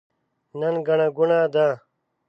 نن ګڼه ګوڼه ده.